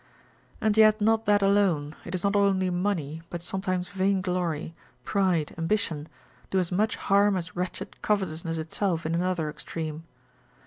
And yet not that alone, it is not only money, but sometimes vainglory, pride, ambition, do as much harm as wretched covetousness itself in another extreme.